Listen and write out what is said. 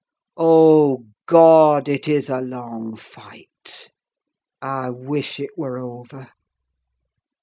O God! It is a long fight; I wish it were over!"